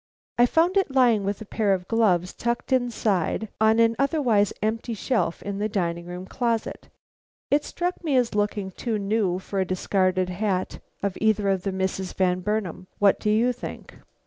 "I found it lying with a pair of gloves tucked inside it on an otherwise empty shelf in the dining room closet. It struck me as looking too new for a discarded hat of either of the Misses Van Burnam. What do you think?"